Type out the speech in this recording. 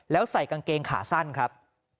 แล้วใส่กางเกงขาสั้นครับ